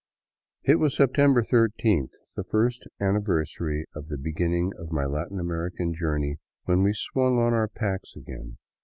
It was September thirteenth, the first anniversary of the beginning of my Latin American journey, when we swung on our packs again.